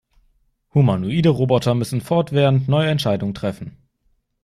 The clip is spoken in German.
Humanoide Roboter müssen fortwährend neue Entscheidungen treffen.